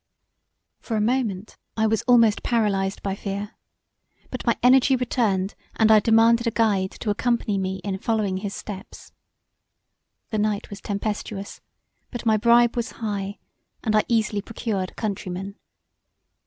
For a moment I was almost paralized by fear; but my energy returned and I demanded a guide to accompany me in following his steps. The night was tempestuous but my bribe was high and I easily procured a countryman.